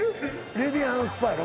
「レディアンスパ」やろ？